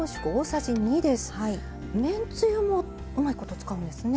めんつゆもうまいこと使うんですね。